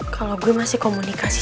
kalau gue masih komunikasi